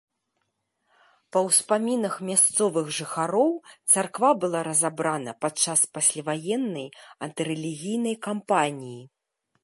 Па ўспамінах мясцовых жыхароў, царква была разабрана падчас пасляваеннай антырэлігійнай кампаніі.